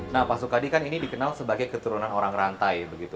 nah pak sukadi kan ini dikenal sebagai keturunan orang rantai begitu